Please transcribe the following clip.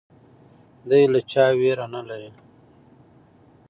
دی له چا ویره نه لري.